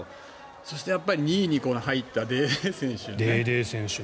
そして２位に入ったデーデー選手。